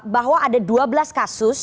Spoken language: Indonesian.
bahwa ada dua belas kasus